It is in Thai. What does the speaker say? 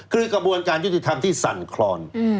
คือกระบวนการยุติธรรมที่สั่นคลอน